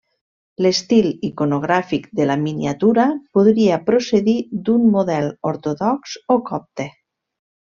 L'estil iconogràfic de la miniatura podria procedir d'un model ortodox o copte.